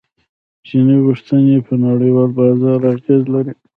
چیني غوښتنې په نړیوال بازار اغیز لري.